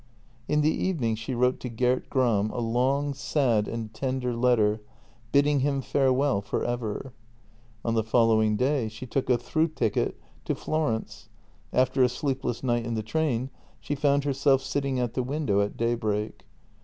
In the evening she wrote to Gert Gram a long, sad and tender letter bidding him farewell for ever. On the following day she took a through ticket to Florence; after a sleepless night in the train she found herself sitting at the window at daybreak.